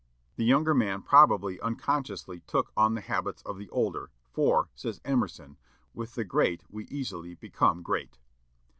The younger man probably unconsciously took on the habits of the older, for, says Emerson, "With the great we easily become great."